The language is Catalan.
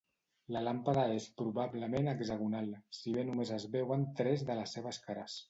La làmpada és probablement hexagonal, si bé només es veuen tres de les seves cares.